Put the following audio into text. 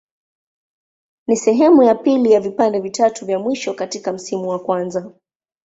Ni sehemu ya pili ya vipande vitatu vya mwisho katika msimu wa kwanza.